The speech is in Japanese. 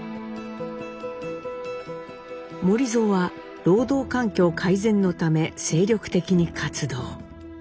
守造は労働環境改善のため精力的に活動。